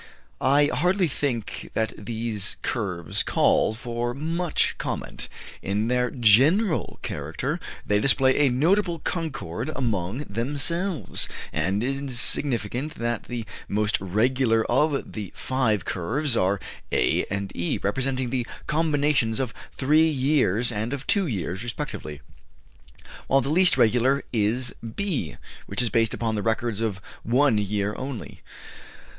I hardly think that these curves call for much comment. In their general character they display a notable concord among themselves; and it is significant that the most regular of the five curves are A and E, representing the combinations of three years and of two years, respectively, while the least regular is B, which is based upon the records of one year only.